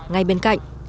ngay bên cạnh